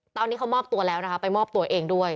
ตอนนี้เขามอบตัวแล้วนะคะไปมอบตัวเองด้วย